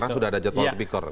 karena sudah ada jadwal tipikor